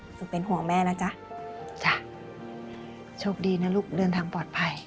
หนูเป็นห่วงแม่นะจ๊ะจ้ะโชคดีนะลูกเดินทางปลอดภัย